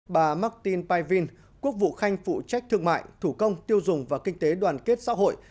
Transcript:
bà martin pavin quốc vụ khanh phụ trách thương mại thủ công tiêu dùng và kinh tế đoàn kết xã hội